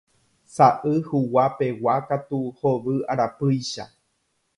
Saʼy huguapegua katu hovy arapýicha.